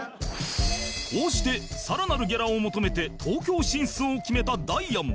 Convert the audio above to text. こうしてさらなるギャラを求めて東京進出を決めたダイアン